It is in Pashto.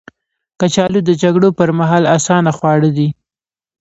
کچالو د جګړو پر مهال اسانه خواړه دي